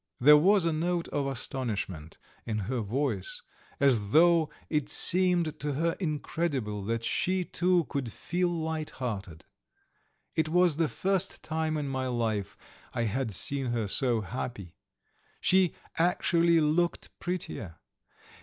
There was a note of astonishment in her voice, as though it seemed to her incredible that she, too, could feel light hearted. It was the first time in my life I had seen her so happy. She actually looked prettier.